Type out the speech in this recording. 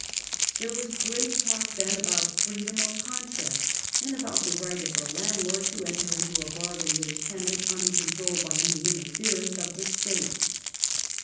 There was great talk then about freedom of contract and about the right of the landlord to enter into a bargain with his tenant uncontrolled by any interference of the State.